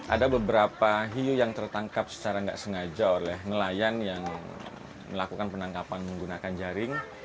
ada beberapa hiu yang tertangkap secara nggak sengaja oleh nelayan yang melakukan penangkapan menggunakan jaring